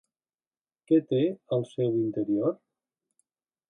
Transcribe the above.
Què té al seu interior?